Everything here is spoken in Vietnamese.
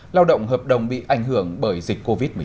lao động hợp đồng bị ảnh hưởng bởi dịch covid một mươi chín